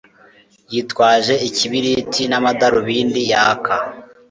Yitwaje ikibiriti namadarubindi yaka